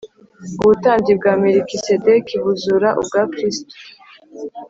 ubutambyi bwa melikisedeki buzura ubwa krisito